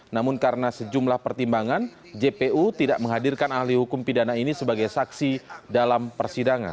namun karena sejumlah pertimbangan jpu tidak menghadirkan ahli hukum pidana ini sebagai saksi dalam persidangan